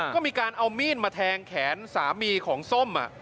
ก็มีการเอามีดมาแทงแขนสามีของส้ม